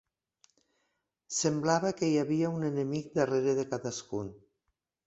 Semblava que hi havia un enemic darrere de cadascun.